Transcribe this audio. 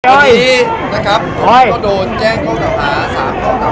ตอนนี้นะครับพวกมันก็โดนแจ้งโครงกำถา๓ข้อเข้าตัวนะครับ